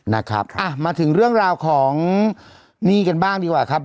นะครับอ่ะมาถึงเรื่องราวของหนี้กันบ้างดีกว่าครับ